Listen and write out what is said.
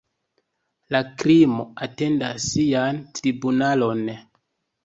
La krimo atendas sian tribunalon.